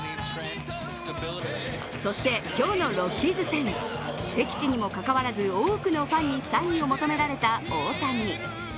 そして、今日のロッキーズ戦敵地にもかかわらず、多くのファンにサインを求められた大谷。